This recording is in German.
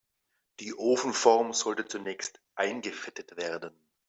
Die Ofenform sollte zunächst eingefettet werden.